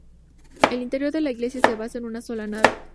El interior de la iglesia se basa en una sola nave.